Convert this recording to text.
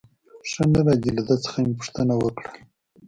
ښه نه راځي، له ده څخه مې پوښتنه وکړل.